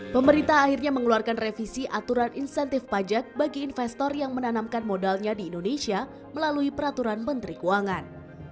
pemerintah akhirnya mengeluarkan revisi aturan insentif pajak bagi investor yang menanamkan modalnya di indonesia melalui peraturan menteri keuangan